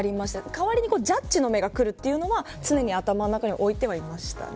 代わりにジャッジの目がくるというのは常に頭の中に置いてはいましたね。